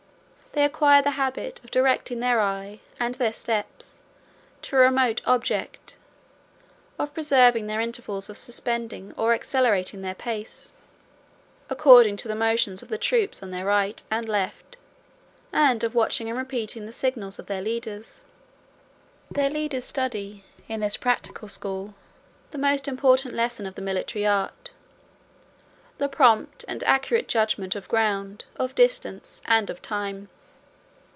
They acquire the habit of directing their eye, and their steps, to a remote object; of preserving their intervals of suspending or accelerating their pace, according to the motions of the troops on their right and left; and of watching and repeating the signals of their leaders. Their leaders study, in this practical school, the most important lesson of the military art; the prompt and accurate judgment of ground, of distance, and of time.